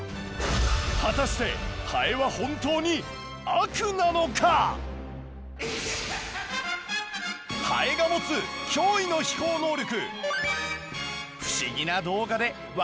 果たしてハエはハエが持つ驚異の飛行能力！